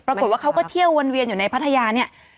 ปรากฏว่าเขาก็เที่ยววนเวียนอยู่ในพัทยาเนี่ย